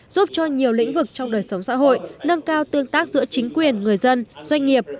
giúp cho nhiều lĩnh vực trong đời sống xã hội nâng cao tương tác giữa chính quyền người dân doanh nghiệp